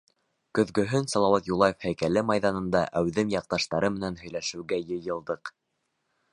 Көҙгөһөн Салауат Юлаев һәйкәле майҙанында әүҙем яҡташтарым менән һөйләшеүгә йыйылдыҡ.